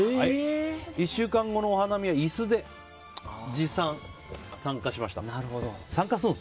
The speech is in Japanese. １週間後のお花見は椅子持参で参加しました。